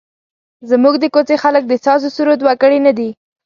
زموږ د کوڅې خلک د سازوسرور وګړي نه دي.